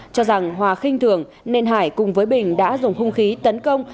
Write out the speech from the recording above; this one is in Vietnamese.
cho rằng hòa khinh thưởng nên hải cùng với bình đã dùng hung khí tấn công